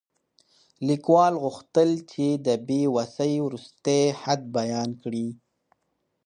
لیکوال غوښتل چې د بې وسۍ وروستی حد بیان کړي.